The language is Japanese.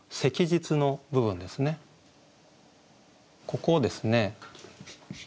ここをですね。